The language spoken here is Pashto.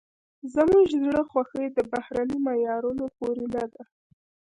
زموږ زړه خوښي د بهرني معیارونو پورې نه ده.